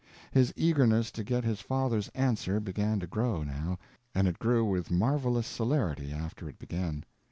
His eagerness to get his father's answer began to grow, now, and it grew with marvelous celerity, after it began.